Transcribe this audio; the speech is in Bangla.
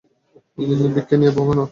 ভিককে নিয়ে ভেবোনা।